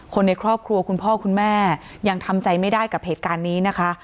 คนในครอบครัวคุณพ่อคุณแม่ยังทำใจไม่ได้กับเหตุการณ์นี้นะคะ